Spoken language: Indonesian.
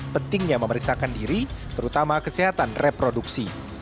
pentingnya memeriksakan diri terutama kesehatan reproduksi